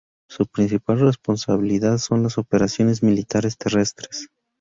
Su principal responsabilidad son las operaciones militares terrestres.